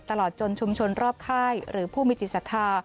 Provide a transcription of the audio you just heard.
ตลอดจนชุมชนรอบค่ายหรือผู้มีจิตศรัทธา